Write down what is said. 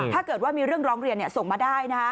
ถ้าเกิดว่ามีเรื่องร้องเรียนส่งมาได้